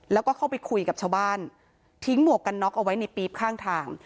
แล้วก็เข้าไปคุยกับชาวบ้านทิ้งหมวกกันน็อกเอาไว้ในปี๊บข้างทาง